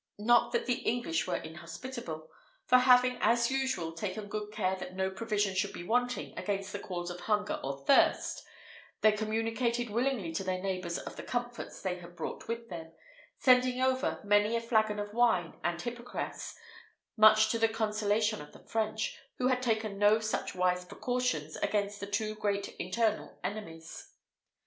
Not that the English were inhospitable; for having, as usual, taken good care that no provision should be wanting against the calls of hunger or thirst, they communicated willingly to their neighbours of the comforts they had brought with them, sending over many a flagon of wine and hypocras, much to the consolation of the French, who had taken no such wise precautions against the two great internal enemies.